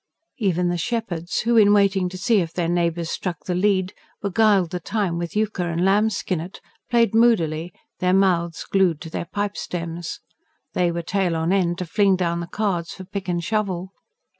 Even the "shepherds," who, in waiting to see if their neighbours struck the lead, beguiled the time with euchre and "lambskinnet," played moodily, their mouths glued to their pipe stems; they were tail on end to fling down the cards for pick and shovel.